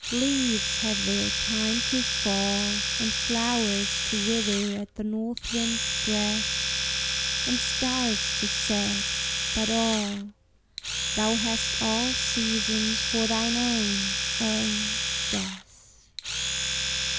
Leaves have their time to fall, And flowers to wither at the north wind's breath, And stars to set but all, Thou hast all seasons for thine own, oh! Death.